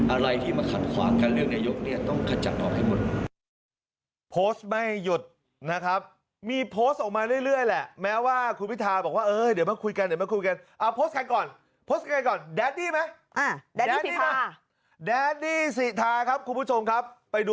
อะไรที่มาขัดขวางการเลือกนายกเนี่ยต้องขจัดออกให้หมด